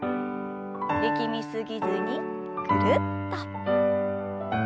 力み過ぎずにぐるっと。